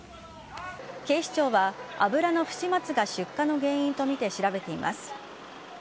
警視庁は油の不始末が出火の原因とみて調べています。